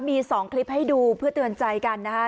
มี๒คลิปให้ดูเพื่อเตือนใจกันนะคะ